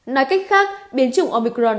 nói cách khác biến chủng omicron